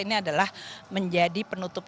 ini adalah menjadi penutup